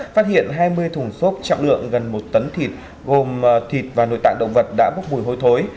phát hiện hai mươi thùng xốp trọng lượng gần một tấn thịt gồm thịt và nội tạng động vật đã bốc mùi hôi thối